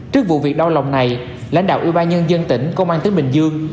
trước vụ việc đau lòng này lãnh đạo ưu ba nhân dân tỉnh công an tấn bình dương